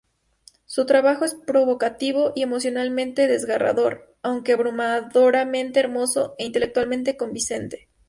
Su trabajo es provocativo y emocionalmente desgarrador, aunque abrumadoramente hermoso e intelectualmente convincente.